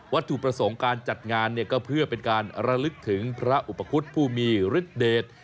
ถูกประสงค์การจัดงานเนี่ยก็เพื่อเป็นการระลึกถึงพระอุปคุฎผู้มีฤทธเดช